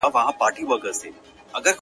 چي وه يې ځغستل پرې يې ښودى دا د جنگ ميدان.